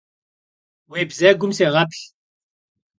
Vui bzegum sêğeplh!